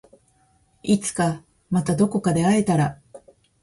いつかまたどこかで会えたら